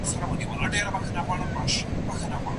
نقيب ته خوله لکه ملا ته چې زکار ورکوې